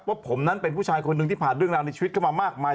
ว่าผมนั้นเป็นผู้ชายคนหนึ่งที่ผ่านเรื่องราวในชีวิตเข้ามามากมาย